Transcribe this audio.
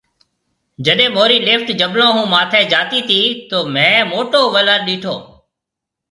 جڏي مونهري لفٽ جبلون هون ماٿي جاتي تي تو مينهه موٽو ولر ڏيٺو